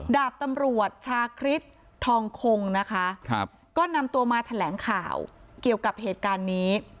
ดาบตำรวจชาคริสทองคงนะคะก็นำตัวมาแถลงข่าวเกี่ยวกับเหตุการณ์นี้